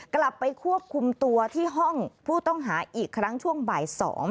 กลับไปควบคุมตัวที่ห้องผู้ต้องหาอีกครั้งช่วงบ่าย๒